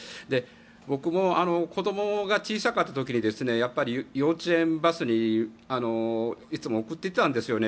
僕も、子どもが小さかった時にやっぱり幼稚園バスにいつも送っていったんですよね。